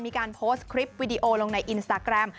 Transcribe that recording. มีการโพสต์คลิปวิดีโอลงในอินสตาแกรม